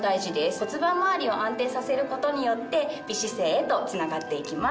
骨盤周りを安定させることによって美姿勢へとつながって行きます。